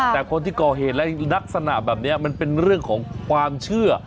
แต่คนที่ก่อเหตุและลักษณะแบบนี้มันเป็นเรื่องของความเชื่อ